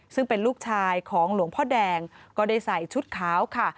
ซึ่งเป็นลูกชายของหลวงพ่อแดงก็ได้ใส่ชุดขาวค่ะ